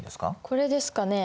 これですかね。